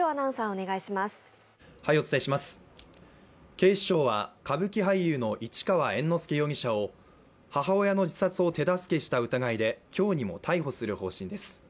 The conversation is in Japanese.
警視庁は歌舞伎俳優の市川猿之助容疑者を母親の自殺を手助けした疑いで今日にも逮捕する方針です。